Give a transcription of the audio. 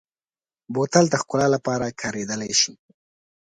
بوتل د ښکلا لپاره کارېدلی شي.